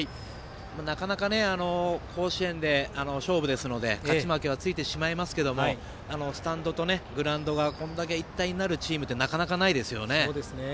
なかなか甲子園で、勝負ですので勝ち負けはついてしまいますけどスタンドとグラウンドがこれだけ一体になるチームってなかなかないですよね。